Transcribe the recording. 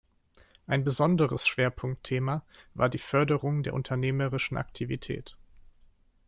Ein besonderes Schwerpunktthema war die Förderung der unternehmerischen Aktivität.